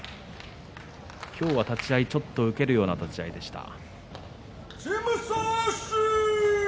今日は立ち合い、ちょっと受けるような立ち合いでした。